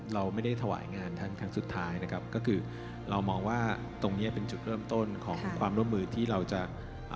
เราไม่ได้ถวายงานครั้งสุดท้ายนะครับก็คือเรามองว่าตรงเนี้ยเป็นจุดเริ่มต้นของความร่วมมือที่เราจะอ่า